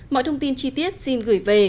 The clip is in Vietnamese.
mọi thông tin chi tiết xin gửi về